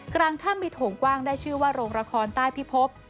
กลางถ้ำมีโถงกว้างได้ชื่อว่าโรงละครใต้พิภพ